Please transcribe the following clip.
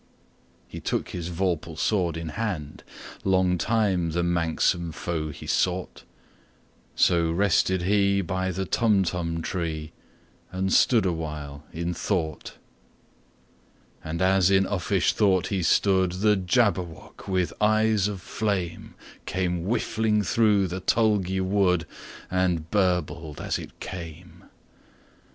He took his vorpal sword in hand:Long time the manxome foe he sought—So rested he by the Tumtum tree, And stood awhile in thought. And as in uffish thought he stood, The Jabberwock, with eyes of flame, Came whiffling through the tulgey wood, And burbled as it came!